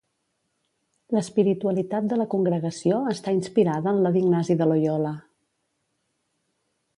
L'espiritualitat de la congregació està inspirada en la d'Ignasi de Loiola.